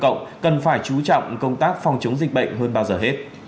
công ty công cộng cần phải chú trọng công tác phòng chống dịch bệnh hơn bao giờ hết